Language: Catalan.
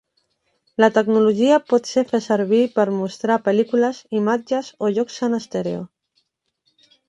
La tecnologia pot ser fer servir per mostrar pel·lícules, imatges o jocs en estèreo.